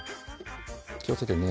気を付けてね。